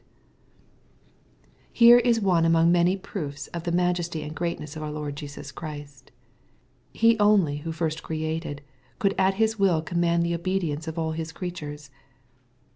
Here is one among many proofs of the majesty and greatness of our Lord Jesus Christ. He only who first created, could at His will command the obedience of all 3is creatures.